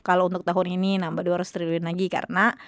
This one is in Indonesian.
kalau untuk tahun ini nambah dua ratus triliun lagi karena